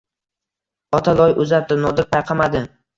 Ota loy uzatdi, Nodir payqamadi.